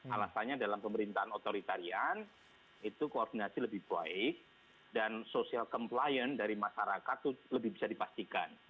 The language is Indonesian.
alasannya dalam pemerintahan otoritarian itu koordinasi lebih baik dan social compliance dari masyarakat itu lebih bisa dipastikan